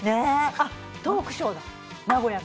あっトークショーだ名古屋の。